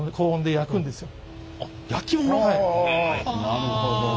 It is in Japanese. なるほど。